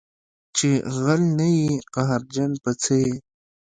چې غل نه یې قهرجن په څه یې